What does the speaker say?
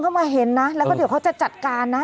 มาเห็นนะแล้วก็เดี๋ยวเขาจะจัดการนะ